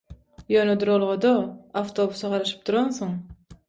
Ýöne duralga-da awtobusa garaşyp duransyň.